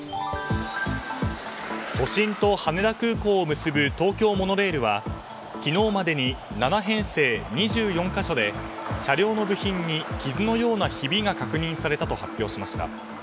都心と羽田空港を結ぶ東京モノレールは昨日までに７編成２４か所で車両の部品に傷のようなひびが確認されたと発表しました。